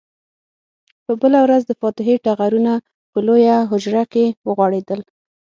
په بله ورځ د فاتحې ټغرونه په لویه حجره کې وغوړېدل.